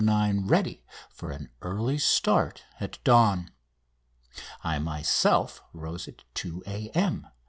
9" ready for an early start at dawn. I myself rose at 2 A.M.